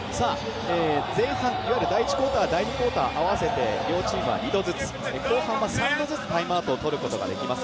前半、いわゆる第１クオーター、第２クオーター合わせて、両チームは２度ずつ、後半は３度ずつタイムアウトを取ることができます。